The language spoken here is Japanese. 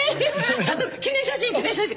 悟記念写真記念写真！